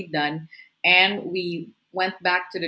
dan kami kembali ke